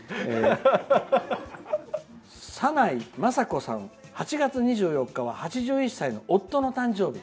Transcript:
さないまさこさん、８月２４日は８１歳の夫の誕生日。